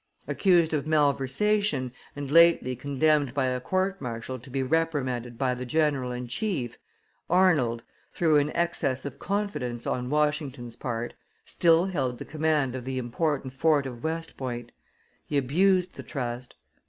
Accused of malversation, and lately condemned by a court martial to be reprimanded by the general in chief, Arnold, through an excess of confidence on Washington's part, still held the command of the important fort of West Point: he abused the trust.